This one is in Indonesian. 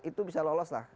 itu bisa lolos lah